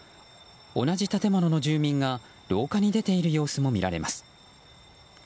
同じ建物の住民が廊下に出ている様子も見られます。